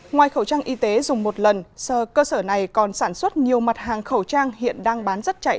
ngoài khẩu trang y tế dùng một lần cơ sở này còn sản xuất nhiều mặt hàng khẩu trang hiện đang bán rất chạy